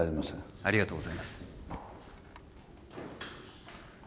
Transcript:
ありがとうございます